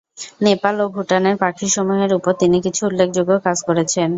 নেপাল ও ভুটানের পাখি সমূহের উপর তিনি কিছু উল্লেখযোগ্য কাজ করেছেন।